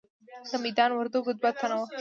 د میدان وردګو دوه تنه وو.